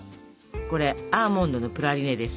これアーモンドのプラリネです。